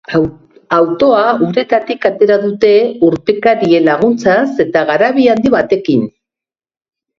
Autoa uretatik atera dute, urpekarien laguntzaz eta garabi handi batekin.